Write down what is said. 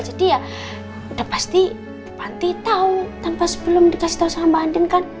jadi ya udah pasti bu panti tau tanpa sebelum dikasih tau sama mbak adin kan